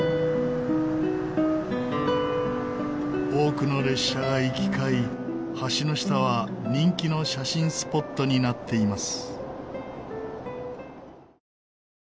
多くの列車が行き交い橋の下は人気の写真スポットになっています。